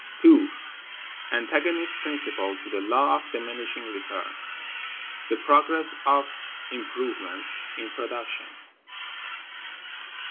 § 2. Antagonist Principle to the Law of Diminishing Return; the Progress of Improvements in Production.